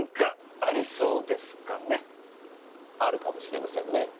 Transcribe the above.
あるかもしれませんね。